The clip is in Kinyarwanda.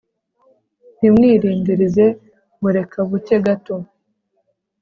ntimwilindilize ngo reka buke gato